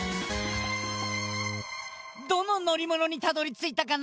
どののりものにたどりついたかな？